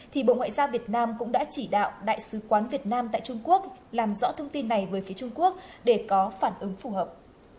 thì bộ ngoại giao việt nam cũng đã chỉ đạo đại sứ quán việt nam tại trung quốc làm rõ thông tin này với phía trung quốc để có phản ứng phù hợp